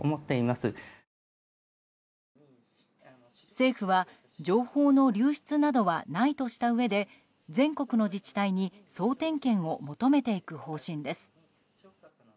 政府は、情報の流出などはないとしたうえで全国の自治体に総点検を求めていく方針です。